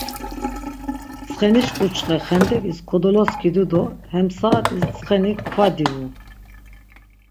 Ntsxeniş ǩuçxe xendeǩis kodoloskidu do hem saat̆is ntsxeni kva divu.